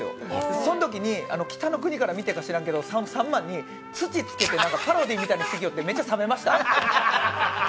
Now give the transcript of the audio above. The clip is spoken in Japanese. そんときに、「北の国から」見てたのか知らんけど、その３万に土つけて、パロディーみたいにして、めっちゃ冷めました。